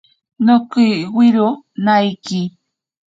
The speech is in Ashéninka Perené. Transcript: Nokiwiro naiki.